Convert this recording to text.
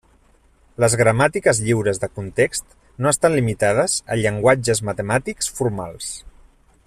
Les gramàtiques lliures de context no estan limitades a llenguatges matemàtics formals.